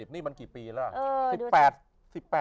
นี่มันกี่ปีแล้ว